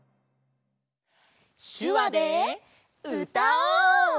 しゅわでうたおう！